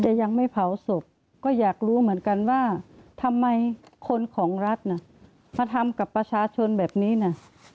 แต่ยังไม่เผาศพก็อยากรู้เหมือนกันว่าทำไมคนของรัฐน่ะมาทำกับประชาชนแบบนี้นะ